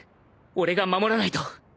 俺が守らないと